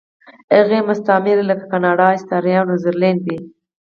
هغه مستعمرې لکه کاناډا، اسټرالیا او نیوزیلینډ دي.